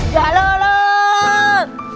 ya allah ya allah